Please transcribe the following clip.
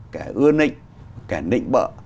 kẻ ưa nịnh kẻ nịnh bỡ